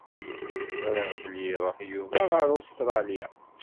Ẓriɣ belli iruḥ Yuba ɣer Ustralya.